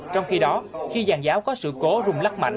trong khi đó khi giàn giáo có sự cố rung lắc